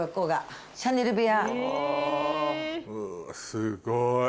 すごい。